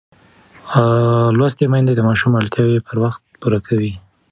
لوستې میندې د ماشوم اړتیاوې پر وخت پوره کوي.